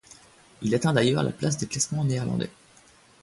Il atteint d'ailleurs la place des classements néerlandais.